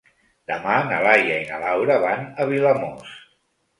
Demà na Laia i na Laura van a Vilamòs.